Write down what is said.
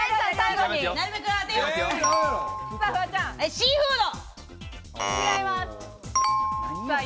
シーフード。